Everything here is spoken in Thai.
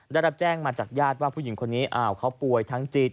ได้รับแจ้งมาจากญาติว่าผู้หญิงคนนี้อ้าวเขาป่วยทั้งจิต